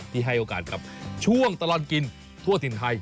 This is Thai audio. ให้โอกาสกับช่วงตลอดกินทั่วถิ่นไทย